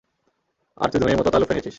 আর তুই ধনীর মতো তা লুফে নিয়েছিস।